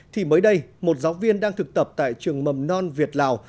thì mới đây một giáo viên đang thực tập tại trường mầm non việt lào